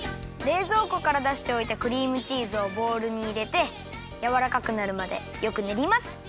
れいぞうこからだしておいたクリームチーズをボウルにいれてやわらかくなるまでよくねります。